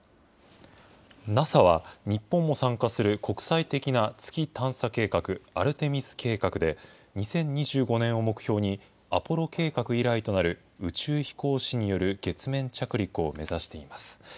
ＮＡＳＡは日本も参加する国際的な月探査計画、アルテミス計画で、２０２５年を目標にアポロ計画以来となる、宇宙飛行士による月面着陸を目指しています。